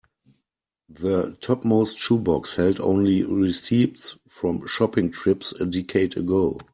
The topmost shoe box held only receipts from shopping trips a decade ago.